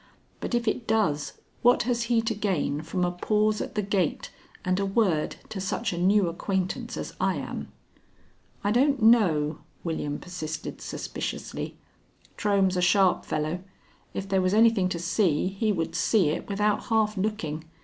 But if it does, what has he to gain from a pause at the gate and a word to such a new acquaintance as I am?" "I don't know," William persisted suspiciously. "Trohm's a sharp fellow. If there was anything to see, he would see it without half looking.